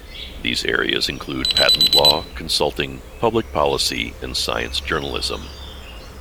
These areas include patent law, consulting, public policy, and science journalism.